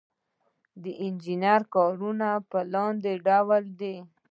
د انجنیری کارونه په لاندې ډول دي.